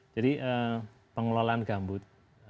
jadi pengelolaan gambut